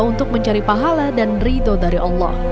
untuk mencari pahala dan ridho dari allah